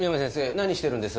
何してるんです？